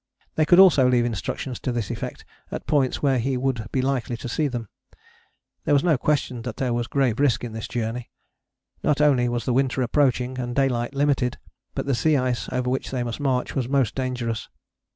They could also leave instructions to this effect at points where he would be likely to see them. There was no question that there was grave risk in this journey. Not only was the winter approaching, and the daylight limited, but the sea ice over which they must march was most dangerous.